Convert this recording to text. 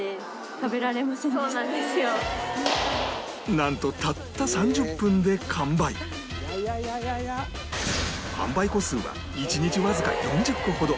なんとたった販売個数は１日わずか４０個ほど